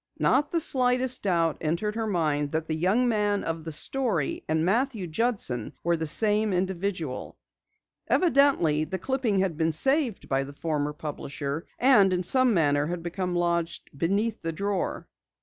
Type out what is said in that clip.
Not the slightest doubt entered her mind that the young man of the story and Matthew Judson were the same individual. Evidently the clipping had been saved by the former publisher, and in some manner had become lodged beneath the drawer.